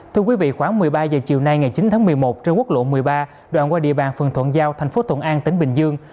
thưa quý vị khoảng một mươi ba h chiều nay ngày chín tháng một mươi một trên quốc lộ một mươi ba đoạn qua địa bàn phường thuận giao thành phố thuận an tỉnh bình dương